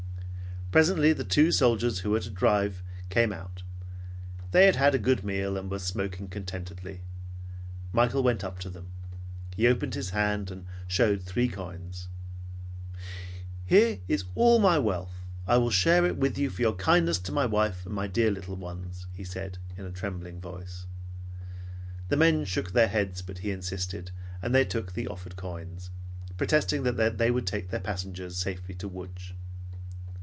Presently the two soldiers who were to drive came out. They had had a good meal and were smoking contentedly. Michael went up to them. He opened his hand and showed three coins. "Here is all my wealth. I will share it with for your kindness to my wife and dear little ones," he said in a trembling voice. The men shook their heads, but he insisted, and they took the offered coins, protesting that they would take their passengers safely to Lodz.